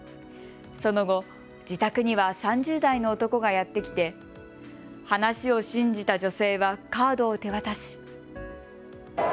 その後、自宅には３０代の男がやって来て話を信じた女性はカードを手渡し。